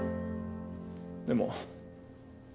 でも。